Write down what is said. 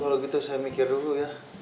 kalau gitu saya mikir dulu ya